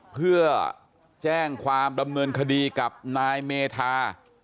เพื่อแจ้งความดำเนินคดีกับนายเมธา